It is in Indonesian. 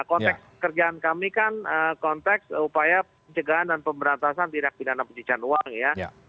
konteks kerjaan kami kan konteks upaya pencegahan dan pemberantasan tindak pidana pencucian uang ya